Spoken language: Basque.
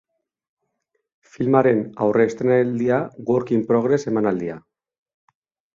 Filmaren aurre-estreinaldia, work in progress emanaldia.